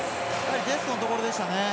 デストのところでしたね。